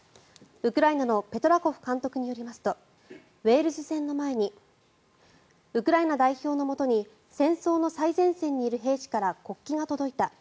ウクライナのペトラコフ監督によりますとウェールズ戦の前にウクライナ代表のもとに戦争の最前線にいる兵士から国旗が届いた。